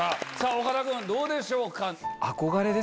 岡田君どうでしょうか？